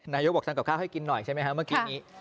นายกบอกสังเกิดข้าวให้กินหน่อยใช่ไหมเมื่อกี้